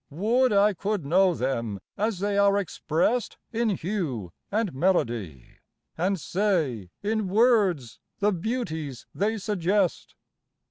_ _Would I could know them as they are expressed In hue and melody! And say, in words, the beauties they suggest.